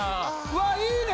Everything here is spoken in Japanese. ・わっいいね！